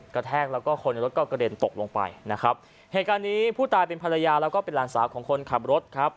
แทกแล้วก็คนในรถก็กระเด็นตกลงไปนะครับเหตุการณ์นี้ผู้ตายเป็นภรรยาแล้วก็เป็นหลานสาวของคนขับรถครับ